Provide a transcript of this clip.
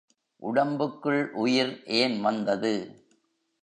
உடம்புக்குள் உயிர் ஏன் வந்தது?